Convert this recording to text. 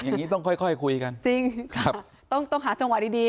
อย่างนี้ต้องค่อยค่อยคุยกันจริงครับต้องต้องหาจังหวะดีดี